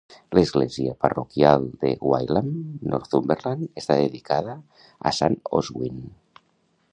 L'església parroquial de Wylam, Northumberland, està dedicada a Sant Oswin.